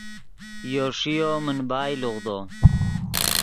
یو ݰیو من بائے لوغدو